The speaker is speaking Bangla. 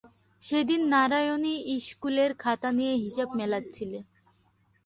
সেদিন নারায়ণী ইস্কুলের খাতা নিয়ে হিসেব মেলাচ্ছিলে।